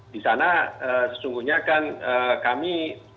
di sana sesungguhnya kan kami